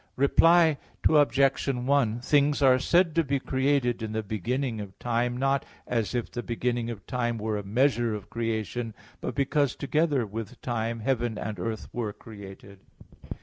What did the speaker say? Reply Obj. 1: Things are said to be created in the beginning of time, not as if the beginning of time were a measure of creation, but because together with time heaven and earth were created.